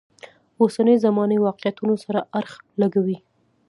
اوسنۍ زمانې واقعیتونو سره اړخ لګوي.